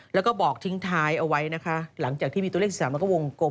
แล้วก็บอกทิ้งท้ายเอาไว้นะคะหลังจากที่มีตัวเลข๑๓แล้วก็วงกลม